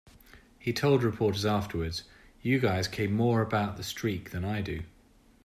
He told reporters afterwards, "You guys care more about the streak than I do.